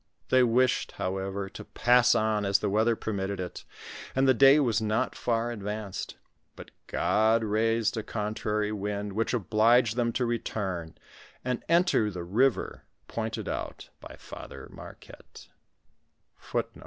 They wished, however, to pass on, as the weather permitted it, and the day was not far advanced ; but God raised a contrary wind, which obliged them to return and enter the river pointed out by Father Marquette.